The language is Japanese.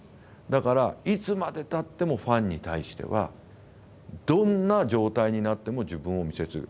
だからいつまでたってもファンに対してはどんな状態になっても自分をお見せする。